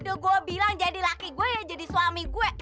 udah gua bilang jadi laki gua ya jadi suami gua